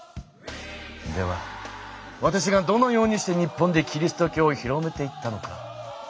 ではわたしがどのようにして日本でキリスト教を広めていったのか。